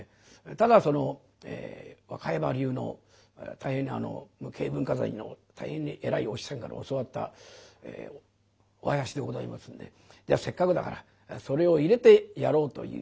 ただ若山流の大変に無形文化財の大変に偉いお師匠さんから教わったお囃子でございますんでじゃあせっかくだからそれを入れてやろうというこういうわけで。